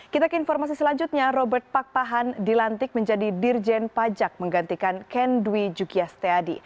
kita ke informasi selanjutnya robert pakpahan dilantik menjadi dirjen pajak menggantikan kendwi jukias teadi